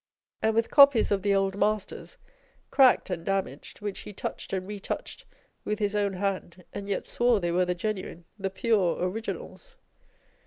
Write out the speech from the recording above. and with copies of the old masters, cracked and damaged, which he touched and retouched with his own hand, and yet swore they were the genuine, the pure originals.